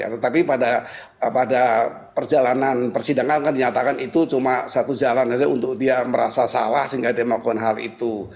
tetapi pada perjalanan persidangan kan dinyatakan itu cuma satu jalan saja untuk dia merasa salah sehingga dia melakukan hal itu